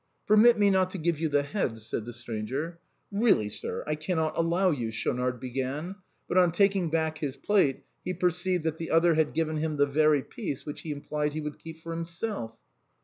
" Permit me not to give you the head," said the stranger. " Eeally, sir, I cannot allow you," Schaunard began ; but on taking back his plate he perceived that the other had given him the very piece which he implied he would keep for himself.